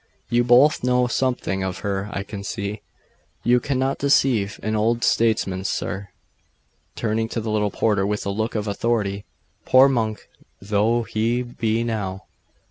'You both know something of her, I can see. You cannot deceive an old statesman, sir!' turning to the little porter with a look of authority 'poor monk though he be now.